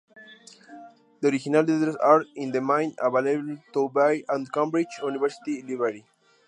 The original letters are, in the main, available to view at Cambridge University Library.